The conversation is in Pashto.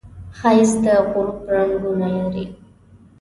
ښایست د غروب رنګونه لري